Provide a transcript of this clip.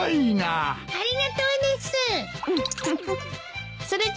ありがとうです！フフフ。